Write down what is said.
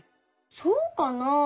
そうかな？